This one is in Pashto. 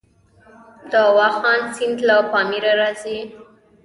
د واخان سیند له پامیر راځي